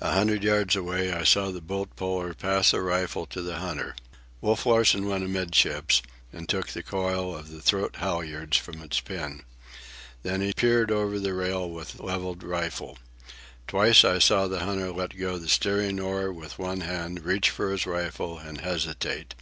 A hundred yards away, I saw the boat puller pass a rifle to the hunter. Wolf Larsen went amidships and took the coil of the throat halyards from its pin. Then he peered over the rail with levelled rifle. Twice I saw the hunter let go the steering oar with one hand, reach for his rifle, and hesitate.